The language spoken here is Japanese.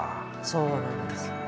そうなんですよね。